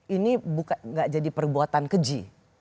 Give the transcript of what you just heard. ini nggak jadi perbuatan keji